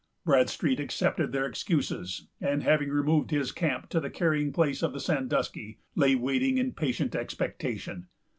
Bradstreet accepted their excuses; and, having removed his camp to the carrying place of Sandusky, lay waiting in patient expectation.